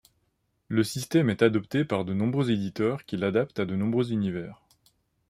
Le système est adopté par de nombreux éditeurs qui l'adaptent à de nombreux univers.